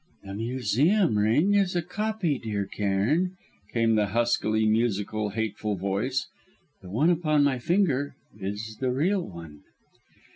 "The Museum ring is a copy, dear Cairn," came the huskily musical, hateful voice; "the one upon my finger is the real one."